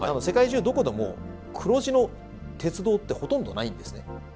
世界中どこでも黒字の鉄道ってほとんどないんですね。